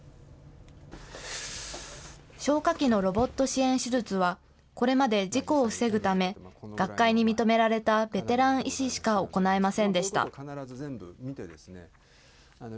消化器のロボット支援手術は、これまで事故を防ぐため、学会に認められたベテラン医師しか行えませんでした。